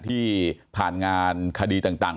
ที่ผ่านงานคดีต่าง